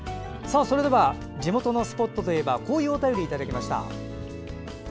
地元のスポットといえばこんなお便りをいただきました。